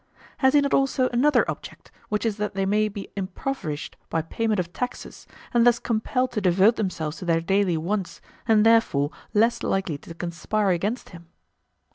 Has he not also another object, which is that they may be impoverished by payment of taxes, and thus compelled to devote themselves to their daily wants and therefore less likely to conspire against him?